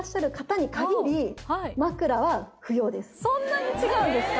そんなに違うんですか？